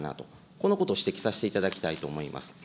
このことを指摘させていただきたいと思います。